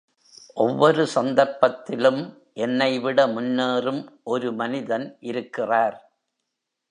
ஒவ்வொரு சந்தர்ப்பத்திலும் என்னை விட முன்னேறும் ஒரு மனிதன் இருக்கிறார்.